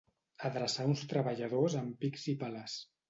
Adreçar uns treballadors amb pics i pales.